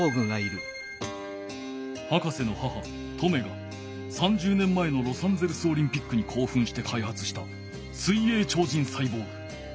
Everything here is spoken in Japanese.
博士の母トメが３０年前のロサンゼルスオリンピックにこうふんしてかいはつした水泳超人サイボーグ。